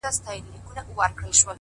د آذر بت مات سو چي کله آبراهيم راغی;